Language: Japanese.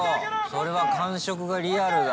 それは感触がリアルだ。